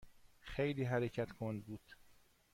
خیلی حرکت کند بود.